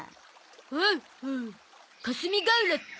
ほうほう霞ヶ浦って。